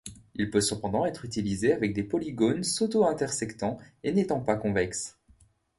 Il peut cependant être utilisé avec des polygones s’auto-intersectant et n'étant pas convexes.